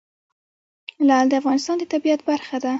لعل د افغانستان د طبیعت برخه ده.